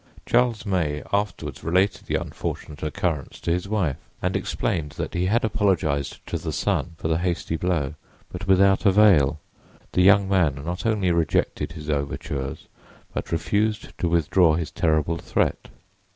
Charles May afterward related the unfortunate occurrence to his wife and explained that he had apologized to the son for the hasty blow, but without avail; the young man not only rejected his overtures, but refused to withdraw his terrible threat.